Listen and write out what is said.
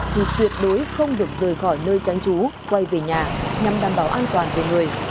thì tuyệt đối không được rời khỏi nơi tránh trú quay về nhà nhằm đảm bảo an toàn về người